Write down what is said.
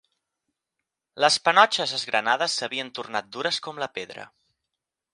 Les panotxes esgranades s'havien tornat dures com la pedra